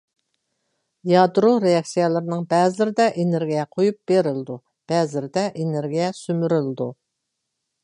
يادرو رېئاكسىيەلىرىنىڭ بەزىلىرىدە ئېنېرگىيە قويۇپ بېرىلىدۇ، بەزىلىرىدە ئېنېرگىيە سۈمۈرۈلىدۇ.